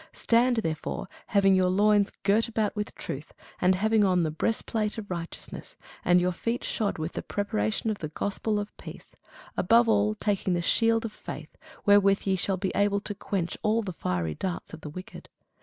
Stand therefore, having your loins girt about with truth, and having on the breastplate of righteousness; and your feet shod with the preparation of the gospel of peace; above all, taking the shield of faith, wherewith ye shall be able to quench all the fiery darts of the wicked.